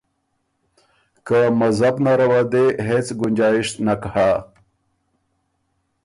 که مذهب نره وه دې هېڅ ګنجائش نک هۀ۔